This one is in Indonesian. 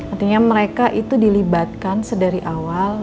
artinya mereka itu dilibatkan sedari awal